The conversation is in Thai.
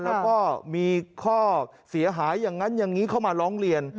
แล้วก็มีข้อเสียหายอย่างนั้นอย่างนี้เข้ามาร้องเรียน